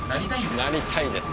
なりたいです。